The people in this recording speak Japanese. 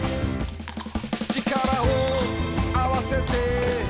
「力をあわせて」